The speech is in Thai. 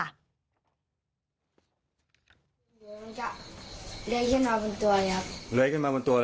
เดี๋ยวมันจะลื้อยขึ้นมาบนตัวเลยครับ